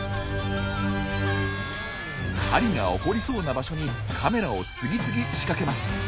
狩りが起こりそうな場所にカメラを次々仕掛けます。